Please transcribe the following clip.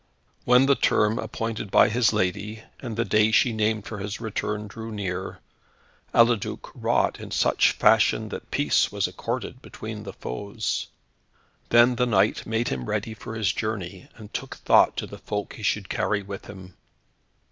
When the term appointed by his lady, and the day she named for his return drew near, Eliduc wrought in such fashion that peace was accorded between the foes. Then the knight made him ready for his journey, and took thought to the folk he should carry with him.